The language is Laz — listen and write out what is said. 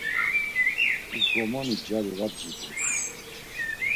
Uǩromoni gyari va bgibup.